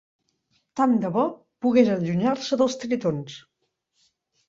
Tant de bo pogués allunyar-se dels tritons.